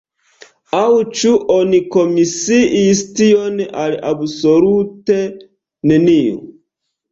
Aŭ ĉu oni komisiis tion al absolute neniu?